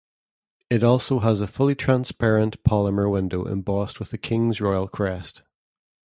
It also has a fully transparent polymer window embossed with the King's royal crest.